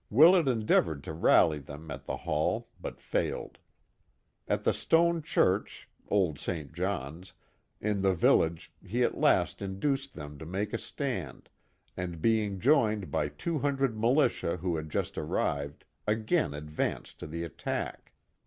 Willett en deavored to rally them at the Hall, but failed. At the stone church (old St. John's) in the village he at last induced them to make a stand, and being joined by two hundred militia who had just arrived, again advanced to the attack.